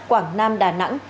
quảng nam đà nẵng